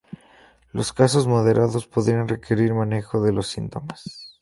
Los casos moderados podrían requerir manejo de los síntomas.